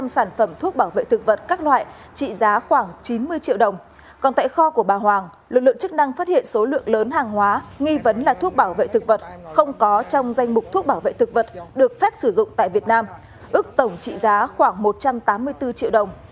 sau của bà hoàng lực lượng chức năng phát hiện số lượng lớn hàng hóa nghi vấn là thuốc bảo vệ thực vật không có trong danh mục thuốc bảo vệ thực vật được phép sử dụng tại việt nam ước tổng trị giá khoảng một trăm tám mươi bốn triệu đồng